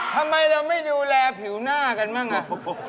ทำไมเราไม่ดูแลผิวหน้ากันบ้างอ่ะ